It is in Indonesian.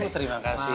terima kasih pak